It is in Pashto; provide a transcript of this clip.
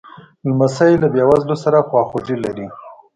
لمسی له بېوزلو سره خواخوږي لري.